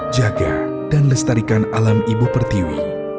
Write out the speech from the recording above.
jaga dan lestarikan alam ibu pertiwi